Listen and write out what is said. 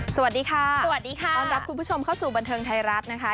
สวัสดีค่ะสวัสดีค่ะต้อนรับคุณผู้ชมเข้าสู่บันเทิงไทยรัฐนะคะ